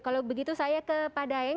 kalau begitu saya ke pak daeng